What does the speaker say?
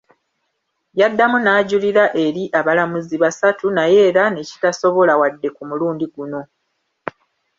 Yaddamu n’ajulira eri abalamuzi basatu, naye era nekitasobola wadde ku mulundi guno.